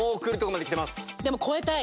でも超えたい。